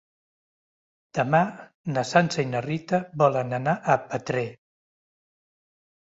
Demà na Sança i na Rita volen anar a Petrer.